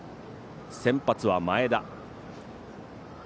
先発は前田。